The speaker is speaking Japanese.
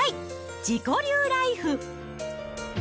自己流ライフ。